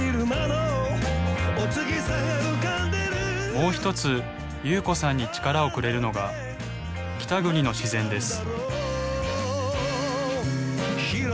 もう一つ夕子さんに力をくれるのが北国の自然です。